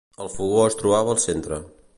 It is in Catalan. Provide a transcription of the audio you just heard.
El fogó es trobava al centre.